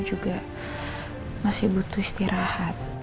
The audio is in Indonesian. juga masih butuh istirahat